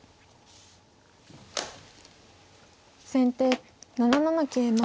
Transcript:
先手７七桂馬。